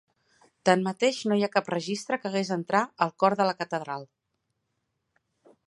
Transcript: Tanmateix, no hi ha cap registra que hagués entrar al cor de la catedral.